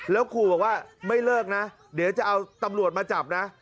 แล้วขู่บอกว่าไม่เลิกนะเดี๋ยวจะเอาตำรวจมาจับนะ